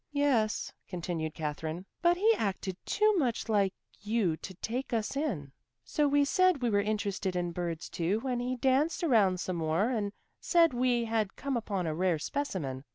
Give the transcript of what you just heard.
"Yes," continued Katherine. "But he acted too much like you to take us in. So we said we were interested in birds too, and he danced around some more and said we had come upon a rare specimen.